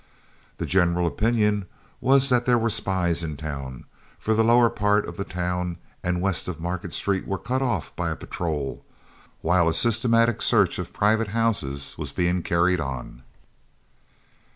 The general opinion was that there were spies in town, for the lower part of the town and west of Market Street were cut off by a patrol, while a systematic search of the private houses was being carried on.